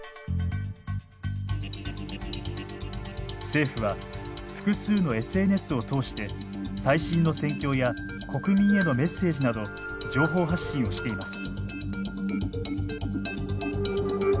政府は複数のＳＮＳを通して最新の戦況や国民へのメッセージなど情報発信をしています。